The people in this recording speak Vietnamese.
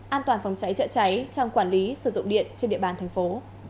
an toàn phòng cháy trợ cháy trong quản lý sử dụng điện trên địa bàn thành phố